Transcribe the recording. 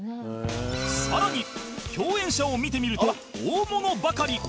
さらに共演者を見てみると大物ばかり